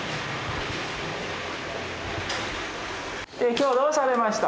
今日どうされました？